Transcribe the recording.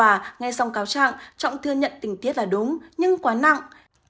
tại tòa nghe xong cáo trạng trọng thừa nhận tình tiết là đúng nhưng quá nặng